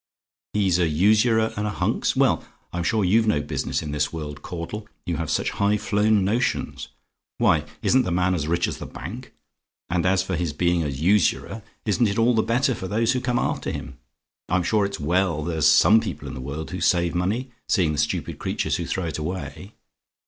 "HE'S A USURER AND A HUNKS? "Well, I'm sure, you've no business in this world, Caudle; you have such high flown notions. Why, isn't the man as rich as the bank? And as for his being a usurer, isn't it all the better for those who come after him? I'm sure it's well there's some people in the world who save money, seeing the stupid creatures who throw it away.